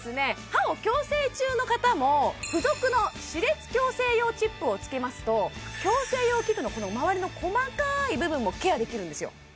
歯を矯正中の方も付属の歯列矯正用チップをつけますと矯正用器具の周りの細かい部分もケアできるんですよ